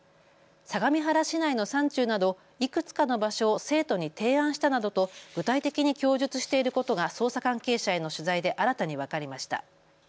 相模原市内の山中などいくつかの場所を生徒に提案したなどと具体的に供述していることが捜査関係者への取材で新たに分かりました。